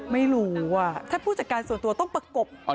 ไม่รู้ถ้าผู้จัดการส่วนตัวต้องประกบ